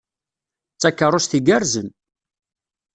D takeṛṛust igerrzen!